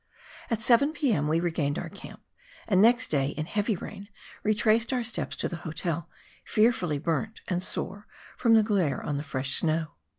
At 7 p.m. we regained our camp, and next day, in heavy rain, retraced our steps to the hotel, fearfully burnt and sore from the glare on the fresh snow.